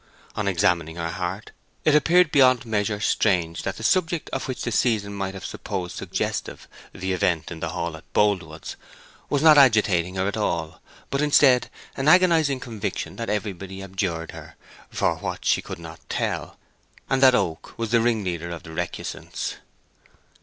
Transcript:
On examining her heart it appeared beyond measure strange that the subject of which the season might have been supposed suggestive—the event in the hall at Boldwood's—was not agitating her at all; but instead, an agonizing conviction that everybody abjured her—for what she could not tell—and that Oak was the ringleader of the recusants.